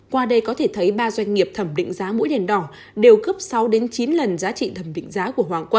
qua đây có thể thấy ba doanh nghiệp thẩm định giá mũi đèn đỏ đều khớp sáu chín lần giá trị thẩm định giá của hoàng quân